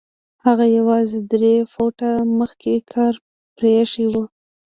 هغه يوازې درې فوټه مخکې کار پرېښی و.